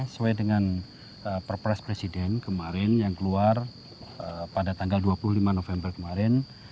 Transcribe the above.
sesuai dengan perpres presiden kemarin yang keluar pada tanggal dua puluh lima november kemarin